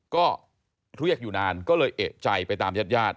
ก็เรียกอยู่นานก็เลยเอกใจไปตามญาติญาติ